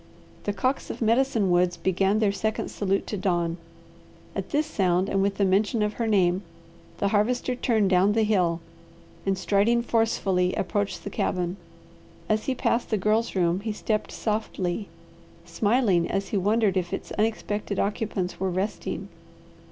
The cocks of Medicine Woods began their second salute to dawn. At this sound and with the mention of her name, the Harvester turned down the hill, and striding forcefully approached the cabin. As he passed the Girl's room he stepped softly, smiling as he wondered if its unexpected occupants were resting.